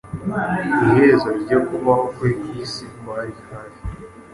Iherezo ryo kubaho kwe kwisi kwari hafi